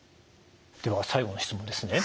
では最後の質問ですね。